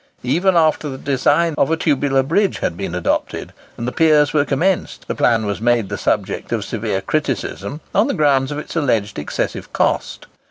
Even after the design of a tubular bridge had been adopted, and the piers were commenced, the plan was made the subject of severe criticism, on the ground of its alleged excessive cost.